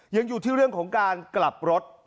ยังอยู่ที่เรื่องของการกลับรถ